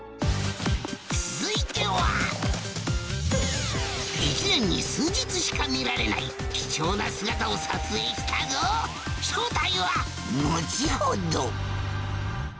続いては一年に数日しか見られない貴重な姿を撮影したぞ正体は後ほど